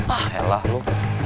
ah elah lu